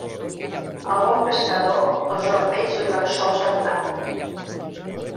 Al bon pescador, els ormeigs li van sols en mar.